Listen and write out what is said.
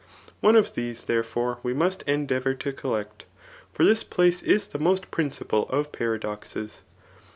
One of these, therefore, we must endeavour to collect. For this place is the most principal of paradoxes.